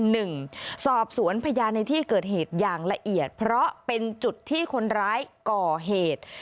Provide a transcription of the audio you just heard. หนึ่งสอบสวนพยานในที่เกิดเหตุอย่างละเอียดเพราะเป็นจุดที่คนร้ายก่อเหตุ